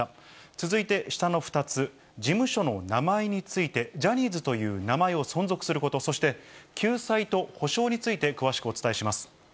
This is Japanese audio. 続いて下の２つ、事務所の名前について、ジャニーズという名前を存続すること、そして、救済と補償について詳しくお伝えします。